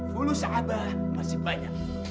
pelusa abah masih banyak